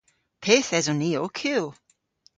Pyth eson ni ow kul?